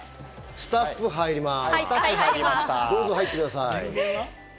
スタッフ入ります。